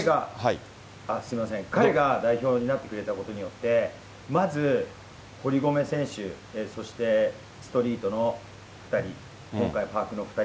彼が代表になってくれたことによって、まず、堀米選手、そしてストリートの２人、今回、パークの２人。